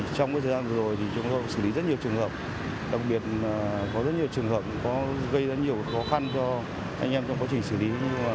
trong thời gian vừa rồi thì chúng tôi xử lý rất nhiều trường hợp đặc biệt có rất nhiều trường hợp có gây rất nhiều khó khăn cho anh em trong quá trình xử lý